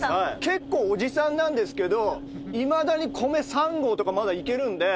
結構おじさんなんですけどいまだに米３合とかまだ行けるんで。